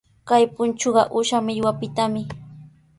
Kay punchuqa uusha millwapitami.